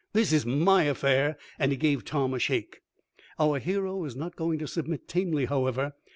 "This is my affair," and he gave Tom a shake. Our hero was not going to submit tamely, however.